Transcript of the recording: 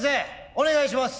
お願いします。